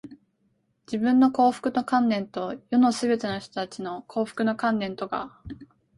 自分の幸福の観念と、世のすべての人たちの幸福の観念とが、